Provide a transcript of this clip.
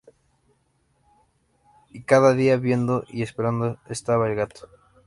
Y cada día, viendo y esperando, estaba el gato.